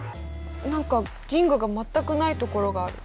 何か銀河が全くないところがある。